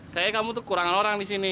kayaknya kamu tuh kurangan orang disini